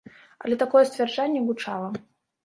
Але такое сцверджанне гучала.